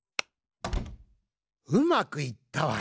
うまくいったわい。